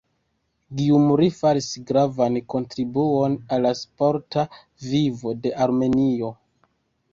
Gjumri faris gravan kontribuon al la sporta vivo de Armenio.